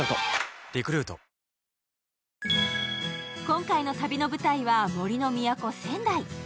今回の旅の舞台は杜の都・仙台。